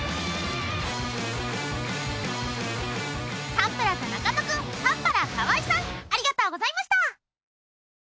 サンプラザ中野くんパッパラー河合さんありがとうございました。